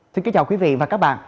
xin kính chào quý vị và các bạn